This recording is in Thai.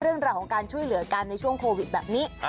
เรื่องราวของการช่วยเหลือกันในช่วงโควิดแบบนี้